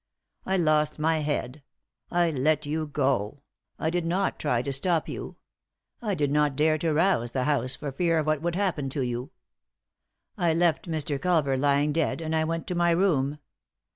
I lost my head. I let you go ; I did not try to stop you; I did not dare to rouse the house for fear of what would happen to yon. I left Mr. Culver lying dead, and I went to my room.